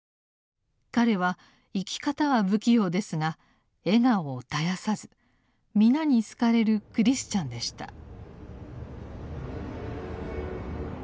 彼は生き方は不器用ですが笑顔を絶やさず皆に好かれるクリスチャンでした。